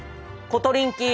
コトリンキー。